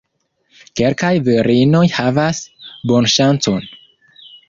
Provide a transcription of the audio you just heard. Kelkaj virinoj havas bonŝancon.